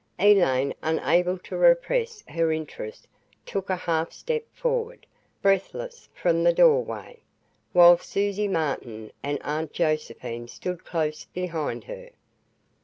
Elaine, unable to repress her interest took a half step forward, breathless, from the doorway, while Susie Martin and Aunt Josephine stood close behind her.